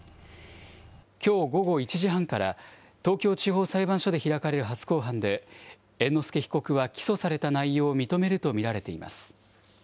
きょう午後１時半から、東京地方裁判所で開かれる初公判で、猿之助被告は起訴された内容を認めると見られています。